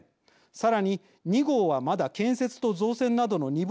さらに２号はまだ建設と造船などの２分野だけ。